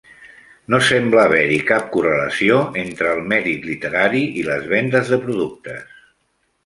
No sembla haver-hi cap correlació entre el mèrit literari i les vendes de productes.